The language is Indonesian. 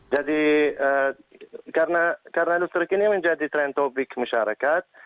jadi karena listrik ini menjadi trend topik masyarakat